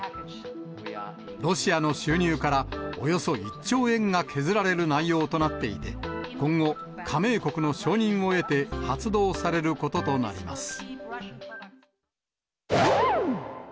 ロシアの収入からおよそ１兆円が削られる内容となっていて、今後、加盟国の承認を得て、発動されることとなります。